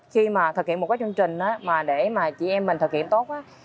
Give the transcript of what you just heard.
khi mà thực hiện một cái chương trình mà để mà chị em mình thực hiện tốt á